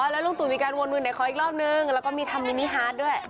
แล้วลุงตู่มีการวนเวือไหนขออีกรอบนึงแล้วก็มีทำมินิฮาร์ดด้วย